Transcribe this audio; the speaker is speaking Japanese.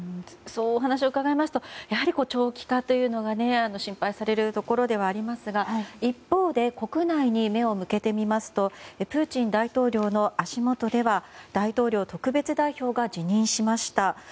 そうお話を伺いますとやはり長期化が心配されるところではありますが一方で国内に目を向けてみますとプーチン大統領の足元では大統領特別代表が辞任しました。